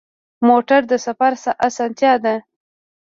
موټر د سفر اسانتیا ده.